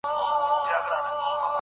بیرته زما د ځوانۍ وار سی لابه ښه سي